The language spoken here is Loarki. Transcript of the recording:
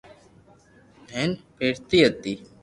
ھيين پھرتي ھتي